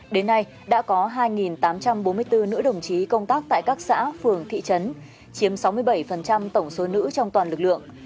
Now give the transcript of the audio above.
đến nay đã có hai tám trăm bốn mươi bốn nữ đồng chí công tác tại các xã phường thị trấn chiếm sáu mươi bảy tổng số nữ trong toàn lực lượng